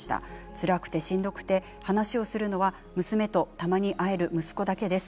つらくて、しんどくて話をするのは娘とたまに会える息子だけです。